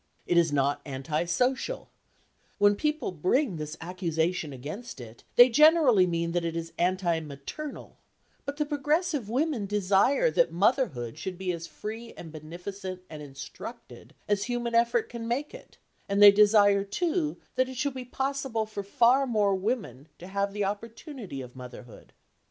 It is not anti social: when people bring this accusation against it, they generally mean that it is anti maternal; but the progressive women desire that motherhood should be as free and beneficent and instructed as human effort can make it, and they desire, too, that it shall be possible for far more women to have the opportunity of motherhood.